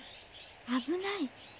危ない。